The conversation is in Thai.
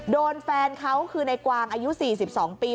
โดนแฟนเขาคือในกวางอายุ๔๒ปี